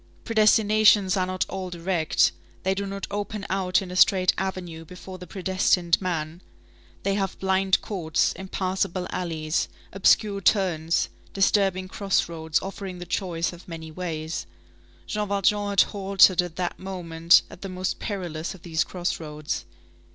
Predestinations are not all direct; they do not open out in a straight avenue before the predestined man; they have blind courts, impassable alleys, obscure turns, disturbing crossroads offering the choice of many ways. Jean Valjean had halted at that moment at the most perilous of these crossroads.